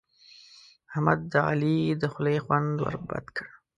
احمد د علي د خولې خوند ور بد کړ.